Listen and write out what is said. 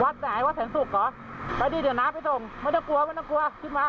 ไหนวัดแสนศุกร์เหรอไปดิเดี๋ยวน้าไปส่งไม่ต้องกลัวไม่ต้องกลัวขึ้นมา